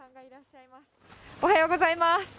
おはようございます。